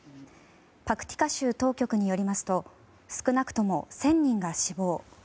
パクティカ州当局によりますと少なくとも１０００人が死亡。